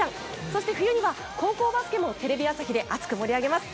そして冬には高校バスケもテレビ朝日で熱く盛り上げます。